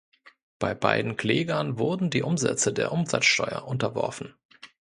Bei beiden Klägern wurden die Umsätze der Umsatzsteuer unterworfen.